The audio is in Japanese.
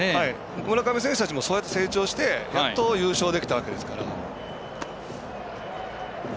村上選手たちもそうやって成長してやっと優勝できたわけですから。